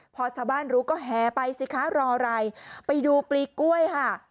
พอชาวบ้านรู้ก็แห่ไปสิคะรออะไรไปดูปลีกล้วยค่ะ